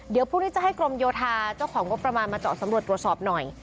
เดี๋ยวพรุ่งนี้จะให้กรมโยธาเจ้าของงบประมาณมาเจาะสำรวจตรวจสอบหน่อย